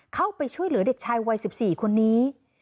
เข้าไปช่วยเหลือเด็กชายวัย๑๔คนนี้